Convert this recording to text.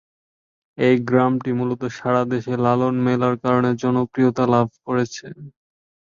এই গ্রামটি মূলত সারা দেশে লালন মেলার কারণে জনপ্রিয়তা লাভ করেছে।